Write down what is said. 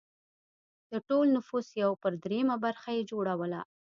د ټول نفوس یو پر درېیمه برخه یې جوړوله